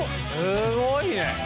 すごいね。